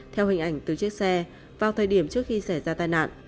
theo hình ảnh từ chiếc xe vào thời điểm trước khi xảy ra tai nạn